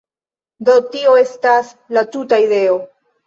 Do, tio estas la tuta ideo